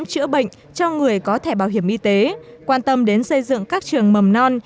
chữa bệnh cho người có thẻ bảo hiểm y tế quan tâm đến xây dựng các trường mầm non